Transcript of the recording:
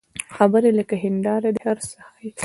خبرې لکه هنداره دي، هر څه ښيي